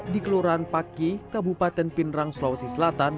di kelurahan paki kabupaten pinerang sulawesi selatan